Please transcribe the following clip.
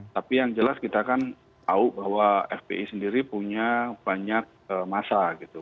tapi yang jelas kita kan tahu bahwa fpi sendiri punya banyak masa gitu